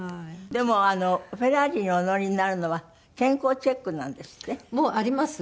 でもフェラーリにお乗りになるのは健康チェックなんですって？もあります。